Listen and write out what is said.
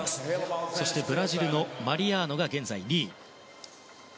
そして、ブラジルのマリアーノが現在２位。